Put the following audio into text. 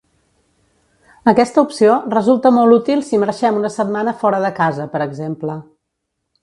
Aquesta opció resulta molt útil si marxem una setmana fora de casa per exemple.